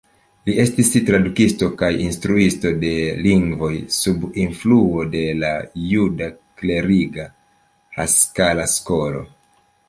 Li estis tradukisto kaj instruisto de lingvoj, sub influo de la juda kleriga Haskala-skolo.